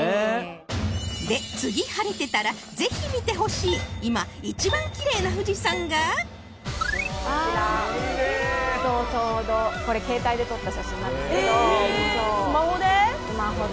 で次晴れてたらぜひ見てほしい今一番キレイな富士山があきれいこちらちょうどこれ携帯で撮った写真なんですけどええスマホで？